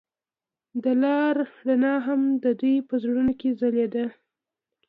د لاره رڼا هم د دوی په زړونو کې ځلېده.